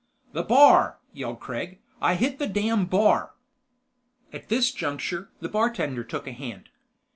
"The bar!" yelled Kregg. "I hit the damn bar!" At this juncture, the bartender took a hand.